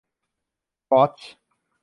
ก๊อซ